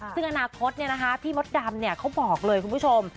ซึ่งอนาคตพี่มดดำเขาบอกเลยคุณผู้ชม